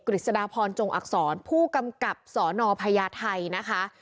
ฤษฎาพรจงอักษรผู้กำกับสนพญาไทยนะคะ